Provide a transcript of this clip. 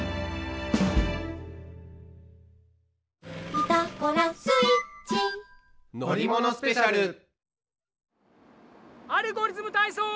「ピタゴラスイッチ」「アルゴリズムたいそう」！